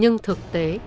nhưng thực tế